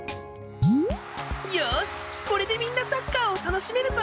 よしこれでみんなサッカーをたのしめるぞ。